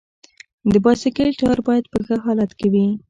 د بایسکل ټایر باید په ښه حالت کې وي.